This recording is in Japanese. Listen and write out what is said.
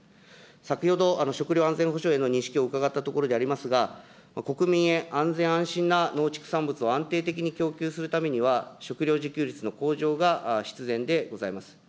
先ほど、食料安全保障への認識を伺ったところでありますが、国民へ安全・安心な農畜産物を安定的に供給するために食料自給率の向上が必然でございます。